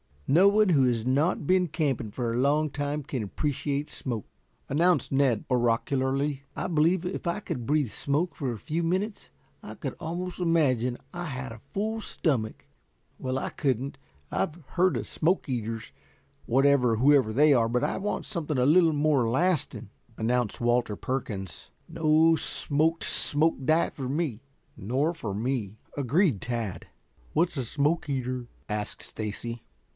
"No one who has not been camping for a long time can appreciate smoke," announced Ned oracularly. "If I had to go without my supper I believe if I could breathe smoke for a few minutes, I could almost imagine I had a full stomach." "Well, I couldn't. I've heard of smoke eaters, whatever or whoever they are, but I want something a little more lasting," announced Walter Perkins. "No smoked smoke diet for me." "Nor for me," agreed Tad. "What's a smoke eater?" asked Stacy.